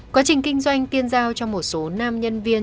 quá trình kinh doanh tiên giao cho một số nam nhân viên